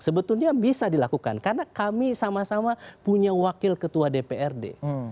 sebetulnya bisa dilakukan karena kami sama sama punya wakil ketua dprd